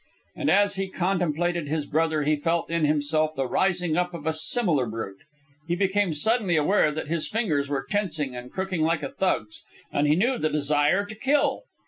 And as he contemplated his brother he felt in himself the rising up of a similar brute. He became suddenly aware that his fingers were tensing and crooking like a thug's, and he knew the desire to kill.